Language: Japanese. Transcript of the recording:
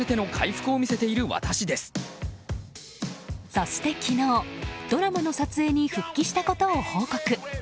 そして昨日、ドラマの撮影に復帰したことを報告。